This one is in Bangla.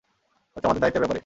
হয়তো আমাদের দায়িত্তের ব্যাপারে।